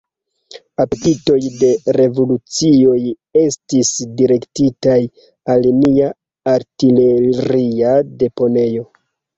Apetitoj de revoluciuloj estis direktitaj al nia artileria deponejo.